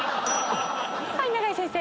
⁉はい長井先生。